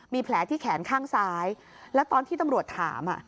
มีแผลที่แขนข้างซ้ายแล้วตอนที่ตำรวจถาม